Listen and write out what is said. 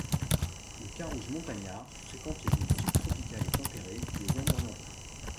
Le carouge montagnard fréquente les zones subtropicales et tempérées des Andes orientales.